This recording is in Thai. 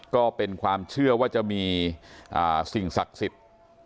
ก็เป็นความเชื่อว่าจะมีสิ่งศักดิ์สิทธิ์